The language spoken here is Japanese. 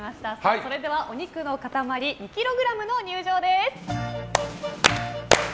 それではお肉の塊２ｋｇの入場です。